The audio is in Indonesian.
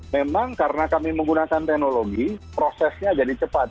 memang karena kami menggunakan teknologi prosesnya jadi cepat